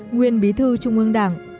nguyên bí thư trung ương đảng